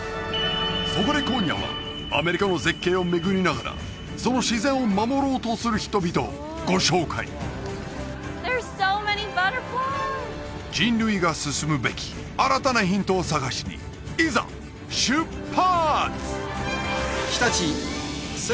そこで今夜はアメリカの絶景を巡りながらその自然を守ろうとする人々をご紹介人類が進むべき新たなヒントを探しにいざ出発！